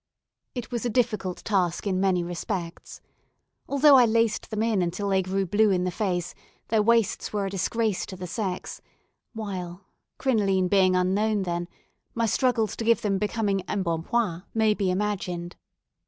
It was a difficult task in many respects. Although I laced them in until they grew blue in the face, their waists were a disgrace to the sex; while crinoline being unknown then my struggles to give them becoming embonpoint may be imagined.